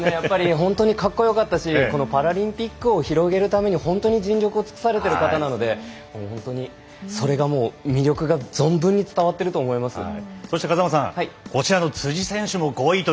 本当にかっこよかったしこのパラリンピックを広げるために本当に尽力を尽くされた人なので本当にそれがもう魅力が存分に伝わっているとそして風間さん